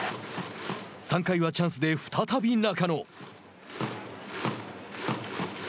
３回は、チャンスで再び中野。